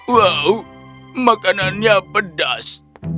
wow makanannya pedas